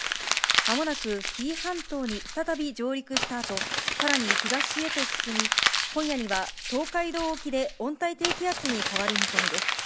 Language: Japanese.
まもなく紀伊半島に再び上陸したあと、さらに東へと進み、今夜には東海道沖で温帯低気圧に変わる見込みです。